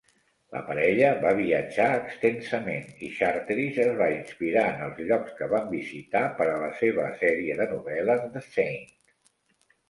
La parella va viatjar extensament, i Charteris es va inspirar en els llocs que van visitar per a la seva sèrie de novel·les "The Saint".